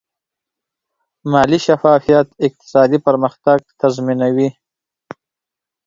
مالي شفافیت اقتصادي پرمختګ تضمینوي.